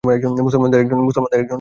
মুসলমানদের একজন আছে।